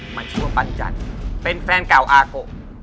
หมายถึงว่าปัญจันเป็นแฟนเก่าอาร์โก